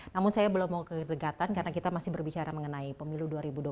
namun saya belum mau kedekatan karena kita masih berbicara mengenai pemilu dua ribu dua puluh